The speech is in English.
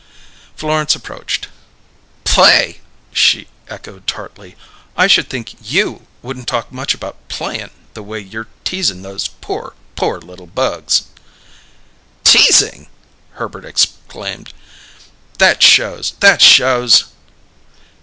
Florence approached. "'Play'!" she echoed tartly. "I should think you wouldn't talk much about 'playin',' the way you're teasing those poor, poor little bugs!" "'Teasing'!" Herbert exclaimed: "That shows! That shows!"